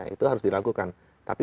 itu harus dilakukan tapi